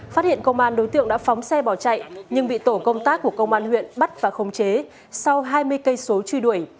phát hiện công an đối tượng đã phóng xe bỏ chạy nhưng bị tổ công tác của công an huyện bắt và không chế sau hai mươi cây số truy đuổi